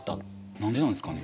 何でなんですかね？